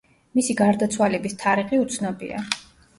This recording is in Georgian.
მისი გარდაცვალების თარიღი უცნობია.